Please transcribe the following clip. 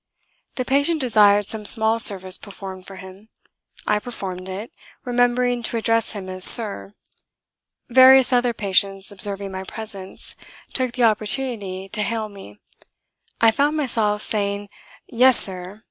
The patient desired some small service performed for him. I performed it remembering to address him as "Sir." Various other patients, observing my presence, took the opportunity to hail me. I found myself saying "Yes, Sir!"